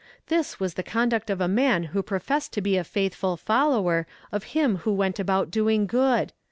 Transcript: This was the conduct of a man who professed to be a faithful follower of Him who went about doing good!